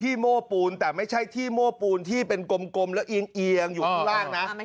โม้ปูนแต่ไม่ใช่ที่โม้ปูนที่เป็นกลมแล้วเอียงอยู่ข้างล่างนะ